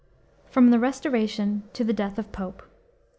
FROM THE RESTORATION TO THE DEATH OF POPE.